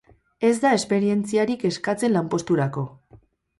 Ez da esperientziarik eskatzen lanposturako.